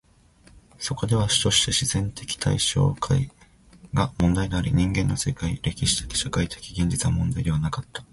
そこでは主として自然的対象界が問題であり、人間の世界、歴史的・社会的現実は問題でなかった。